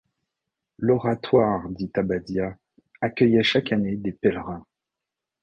L'oratoire dit Abadia accueillait chaque année des pélèrins.